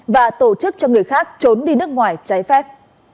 và tổ chức cho người khác trốn đi nước ngoài trái phép